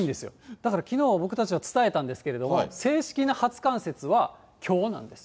だからきのうは僕たち伝えたんですけれども、正式な初冠雪はきょうなんです。